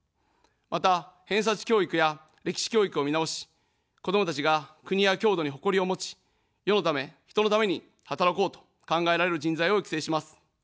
また、偏差値教育や歴史教育を見直し、子どもたちが国や郷土に誇りを持ち、世のため人のために働こうと考えられる人材を育成します。